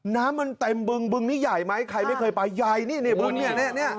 น้ำมันเต็มบึงบึงนี้ใหญ่ไหมใครไม่เคยไปใหญ่นี่เนี่ยบึงเนี่ย